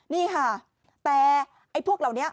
นี่ค่ะแต่ไอ้พวกเหล่านี้